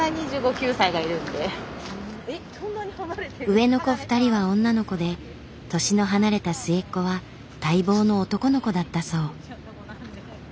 上の子２人は女の子で年の離れた末っ子は待望の男の子だったそう。